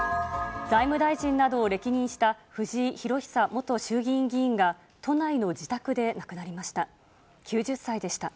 財務大臣などを歴任した藤井裕久元衆議院議員が、都内の自宅で亡くなりました。